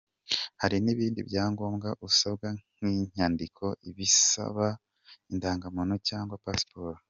Hari n’ibindi byangombwa usabwa nk’inyandiko ibisaba, indangamuntu cyangwa passport,”.